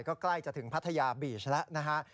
ก็ใกล้จะถึงพัทยาบีชแล้วนะฮะ